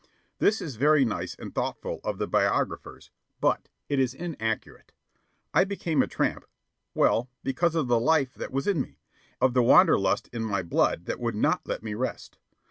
This is very nice and thoughtful of the biographers, but it is inaccurate. I became a tramp well, because of the life that was in me, of the wanderlust in my blood that would not let me rest.